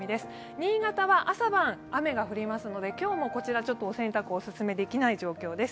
新潟は朝晩、雨が降りますので、今日もこちらはお洗濯、オススメできない状況です。